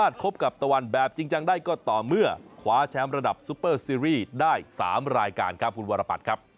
ติดได้๓รายการค่ะคุณวรปัตย์ครับ